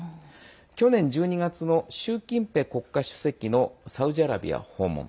去年１２月の習近平国家主席のサウジアラビア訪問。